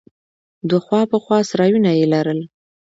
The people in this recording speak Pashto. دوه خوا په خوا سرايونه يې لرل.